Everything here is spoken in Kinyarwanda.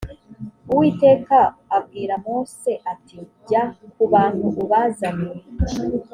uwiteka abwira mose ati jya ku bantu ubazane